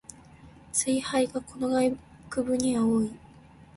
ツイ廃がこの学部には多い